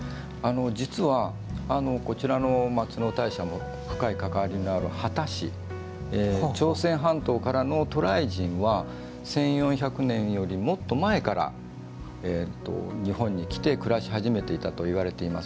実は、こちらの松尾大社も深い関わりがある秦氏、朝鮮半島からの渡来人は１４００年よりもっと前から日本に来て暮らし始めていたといわれています。